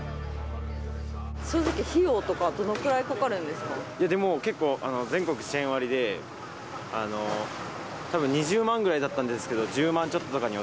正直、費用とか、どのくらいでも、結構、全国支援割で、たぶん２０万ぐらいだったんですけど、１０万ちょ